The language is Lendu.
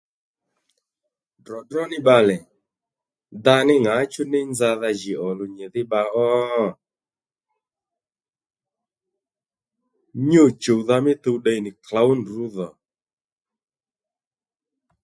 Dròdró ní bbalè da ní ŋǎchú ní nzadha jì òluw nyìdhí bba ó? Nyû chùwdha mí tuw tde nì klǒw ndrǔ dhò